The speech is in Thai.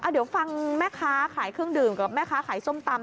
เดี๋ยวฟังแม่ค้าขายเครื่องดื่มกับแม่ค้าขายส้มตำ